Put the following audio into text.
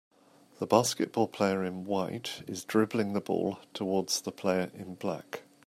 The basketball player in white is dribbling the ball towards the player in black.